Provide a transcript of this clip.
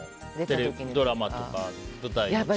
ドラマとか舞台とは。